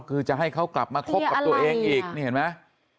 คือจะให้เขากลับมาคบกับตัวเองอีกเคลียร์อะไรอ่ะนี่เห็นไหม